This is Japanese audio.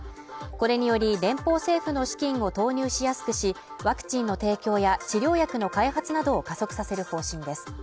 これにより連邦政府の資金を投入しやすくしワクチンの提供や治療薬の開発などを加速させる方針です